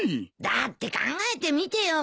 だって考えてみてよ。